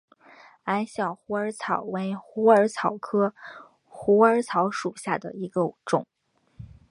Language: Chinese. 矮小虎耳草为虎耳草科虎耳草属下的一个种。